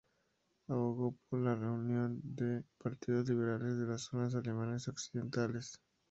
Abogó por la unión de los partidos liberales de las zonas alemanas occidentales.